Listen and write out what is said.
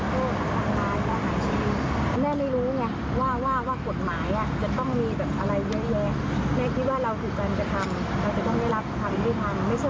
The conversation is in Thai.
แต่ว่าเขารู้ว่าเขาควรจะตรวจคดีกับเราอย่างไร